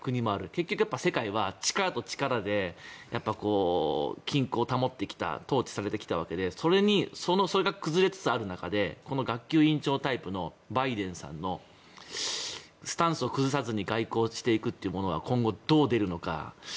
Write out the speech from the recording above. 結局、世界は力と力で均衡を保ってきた統治されてきたわけでそれが崩れつつある中でこの学級委員長タイプのバイデンさんのスタンスを崩さずに外交をしていくということが今後、どう出るのか。